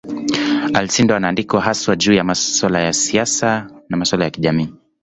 Alcindor anaandikwa haswa juu ya siasa na masuala ya kijamii.